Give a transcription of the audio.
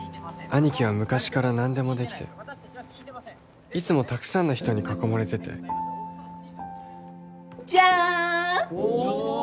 兄貴は昔から何でもできていつもたくさんの人に囲まれててじゃーん！おお！